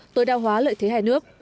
tối đa hóa lợi thế hai nước